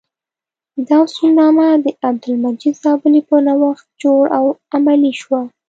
دا اصولنامه د عبدالمجید زابلي په نوښت جوړه او عملي شوه.